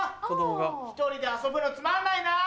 １人で遊ぶのつまんないなぁ。